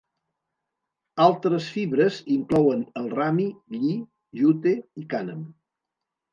Altres fibres inclouen el rami, lli, jute i cànem.